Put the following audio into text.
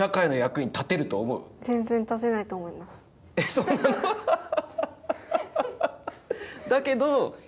そんなハハハ！